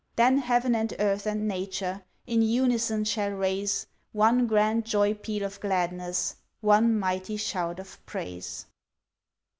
Then Heaven, and Earth, and Nature, In unison shall raise, One grand joy peal of gladness,— One mighty shout of praise!